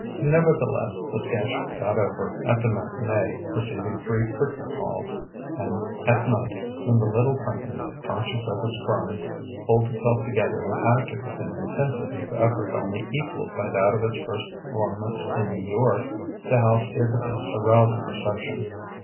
Nevertheless the sketch "got over" at the matinée, receiving three curtain calls; and at night when the little company, conscious of its crimes, pulled itself together and acted with an intensity of effort only equalled by that of its first performance in New York the house gave the piece a rousing reception.